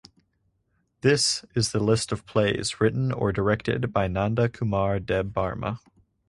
This is the lists of plays written or directed by Nanda Kumar Deb Barma.